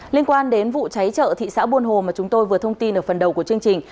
liên quan đến vụ cháy chợ thị xã buôn hồ mà chúng tôi vừa thông tin ở phần đầu của chương trình